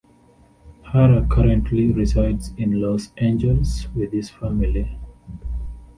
Hara currently resides in Los Angeles with his family.